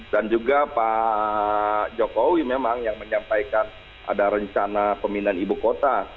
dan juga pak jokowi memang yang menyampaikan ada rencana pemindahan ibu kota